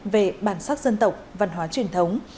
về bản sắc dân tộc văn hóa truyền thống